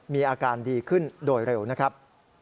มีอาการดีขึ้นโดยเร็วนะครับ